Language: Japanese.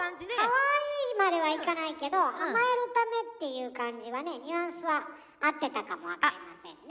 「かわいい」まではいかないけど甘えるためっていう感じはねニュアンスは合ってたかもわかりませんね。